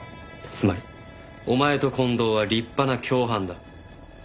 つまりお前と近藤は立派な共犯だ。